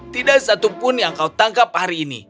tidak satupun yang kau tangkap hari ini